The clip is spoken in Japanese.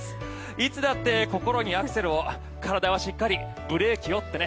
いつだって心にアクセルを体はしっかりブレーキをってね。